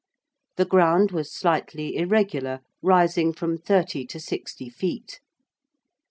The ground was slightly irregular, rising from 30 to 60 feet.